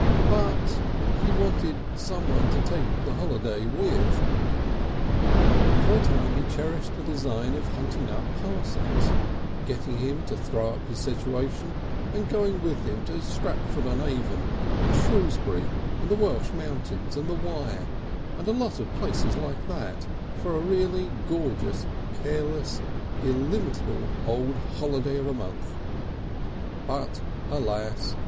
But he wanted someone to take the holiday with. For a time he cherished a design of hunting up Parsons, getting him to throw up his situation, and going with him to Stratford on Avon and Shrewsbury and the Welsh mountains and the Wye and a lot of places like that, for a really gorgeous, careless, illimitable old holiday of a month. But alas!